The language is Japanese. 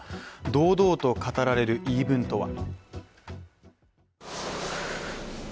堂々と語られる言い分とは。